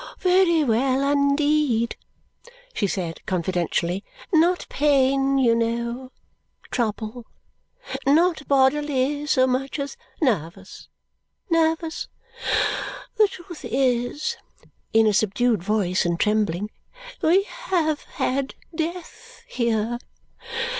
Oh, very unwell indeed," she said confidentially. "Not pain, you know trouble. Not bodily so much as nervous, nervous! The truth is," in a subdued voice and trembling, "we have had death here.